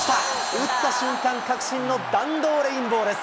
打った瞬間、確信の弾道レインボーです。